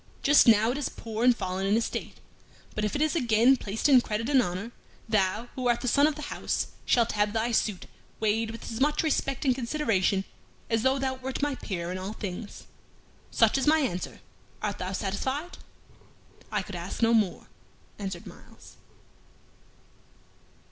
Just now it is poor and fallen in estate, but if it is again placed in credit and honor, thou, who art the son of the house, shalt have thy suit weighed with as much respect and consideration as though thou wert my peer in all things, Such is my answer. Art thou satisfied?" "I could ask no more," answered Myles.